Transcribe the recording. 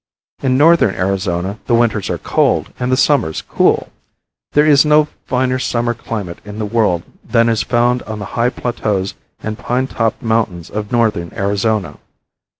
In northern Arizona the winters are cold and the summers cool. There is no finer summer climate in the world than is found on the high plateaus and pine topped mountains of northern Arizona.